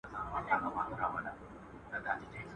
څه ور پنا، څه غر پنا.